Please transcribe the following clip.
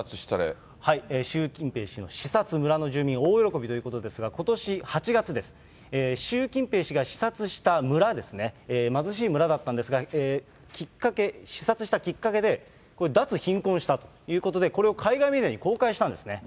習金平氏の視察に村の住民は大喜びということですが、ことし８月です、習近平氏が視察した村ですね、貧しい村だったんですが、きっかけ、視察したきっかけで、脱貧困したということで、これを海外メディアに公開したんですね。